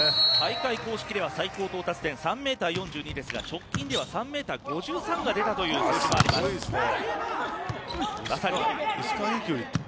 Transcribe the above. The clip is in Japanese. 大会公式では最高到達点３ｍ４２ですが直近では３ｍ５３が出たという情報があります。